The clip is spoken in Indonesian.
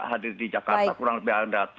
hadir di jakarta kurang lebih ada